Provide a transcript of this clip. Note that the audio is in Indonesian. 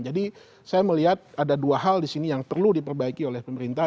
jadi saya melihat ada dua hal disini yang perlu diperbaiki oleh pemerintah